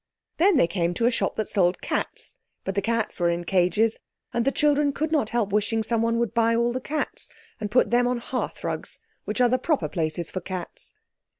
Then they came to a shop that sold cats, but the cats were in cages, and the children could not help wishing someone would buy all the cats and put them on hearthrugs, which are the proper places for cats.